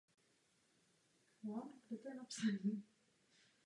Za prvé, nemělo by dojít už k žádné další restrukturalizaci.